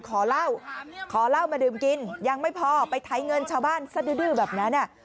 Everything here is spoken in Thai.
ขอเหล้าขอเหล้ามาดื่มกินยังไม่พอไปไถเงินชาวบ้านซะดื้อแบบนั้น